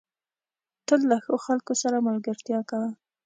تل له ښو خلکو سره ملګرتيا کوه.